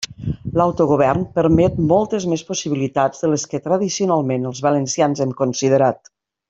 L'autogovern permet moltes més possibilitats de les que tradicionalment els valencians hem considerat.